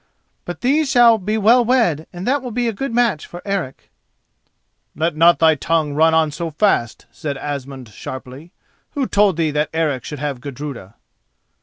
But these shall be well wed and that will be a good match for Eric." "Let not thy tongue run on so fast," said Asmund sharply. "Who told thee that Eric should have Gudruda?"